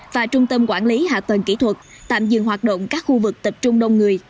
và trung tâm quản lý hạ tầng kỹ thuật tạm dừng hoạt động các khu vực tập trung đông người